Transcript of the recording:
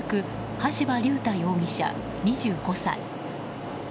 橋場龍太容疑者、２５歳。